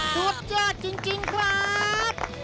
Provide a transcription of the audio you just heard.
สุดมากจริงครับ